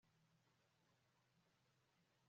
nyangara yabajije abagora n'abana